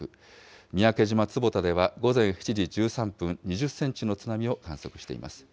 三宅島坪田では、午前７時１３分、２０センチの津波を観測しています。